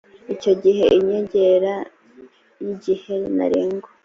icyo gihe inyongera y igihe ntarengwa